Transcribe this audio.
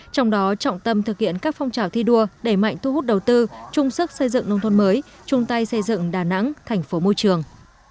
trong đó trọng tâm thực hiện các phong trào thi đua đẩy mạnh thu hút đầu tư trung sức xây dựng nông thôn mới chung tay xây dựng đà nẵng thành phố môi trường